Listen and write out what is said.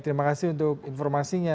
terima kasih untuk informasinya